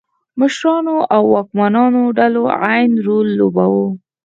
مشرانو او واکمنو ډلو عین رول لوباوه.